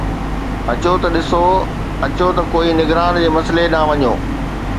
اچو ته ڏسون، اچو ته ڪوئي نگران جي مسئلي ڏانهن وڃو